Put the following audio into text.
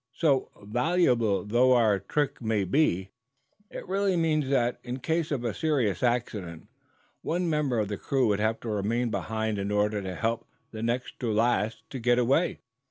So, valuable though our trick may be, it really means that, in case of serious accident, one member of the crew would have to remain behind in order to help the next to last to get away.